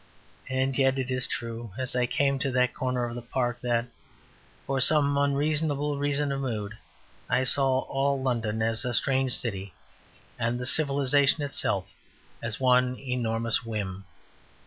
And yet it is true as I came to that corner of the Park that, for some unreasonable reason of mood, I saw all London as a strange city and the civilization itself as one enormous whim.